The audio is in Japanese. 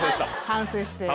反省して。